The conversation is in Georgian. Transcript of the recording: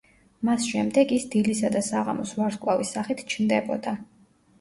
მას შემდეგ ის დილისა და საღამოს ვარსკვლავის სახით ჩნდებოდა.